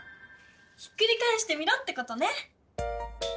ひっくりかえしてみろってことね！